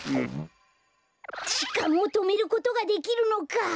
じかんをとめることができるのか！